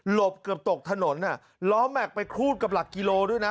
เกือบตกถนนล้อแม็กซไปครูดกับหลักกิโลด้วยนะ